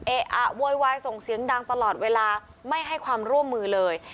อะโวยวายส่งเสียงดังตลอดเวลาไม่ให้ความร่วมมือเลย